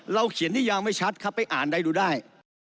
เขียนนิยามไม่ชัดครับไปอ่านได้ดูได้